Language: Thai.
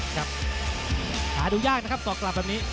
หาดูยากนะครับสอกกลับแบบนี้